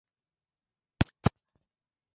Ni nadra sana ugonjwa wa mimba kutoka kuu mnyama